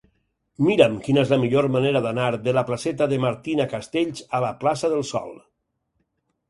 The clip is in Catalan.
Mira'm quina és la millor manera d'anar de la placeta de Martina Castells a la plaça del Sol.